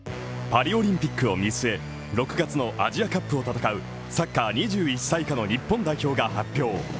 パリオリンピックを見据え、６月のアジアカップを戦うサッカー２１歳以下の日本代表が発表。